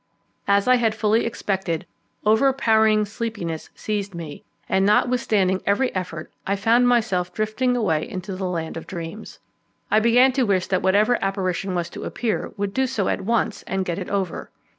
As I had fully expected, overpowering sleepiness seized me, and, notwithstanding every effort, I found myself drifting away into the land of dreams. I began to wish that whatever apparition was to appear would do so at once and get it over.